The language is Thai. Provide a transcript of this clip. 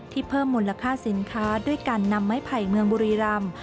เพิ่มมูลค่าสินค้าด้วยการนำไม้ไผ่เมืองบุรีรำ